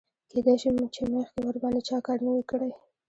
کیدای شي چې مخکې ورباندې چا کار نه وي کړی.